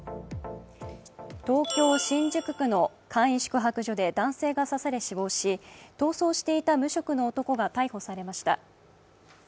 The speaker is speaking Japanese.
東京・新宿区の簡易宿泊所で男性が刺され死亡し逃走していた無職の男が逮捕されました。